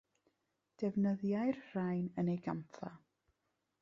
Defnyddiai'r rhain yn ei gampfa.